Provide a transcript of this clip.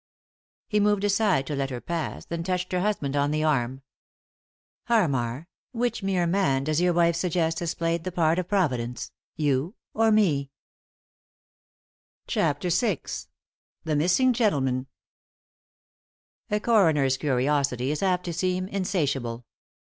He moved aside to let her pass, then touched her husband on the arm. " Harmar, which mere man does your wife suggest has played the part of Providence — you — or me ?" E 49 3i 9 iii^d by Google CHAPTER VI THE MISSING GENTLEMAN A coroner's curiosity is apt to seem insatiable.